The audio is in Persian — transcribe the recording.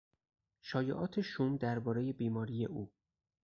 شایعات شوم دربارهی بیماری او